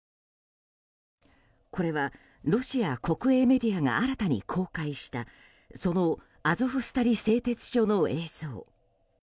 これは、ロシア国営メディアが新たに公開したそのアゾフスタリ製鉄所の映像。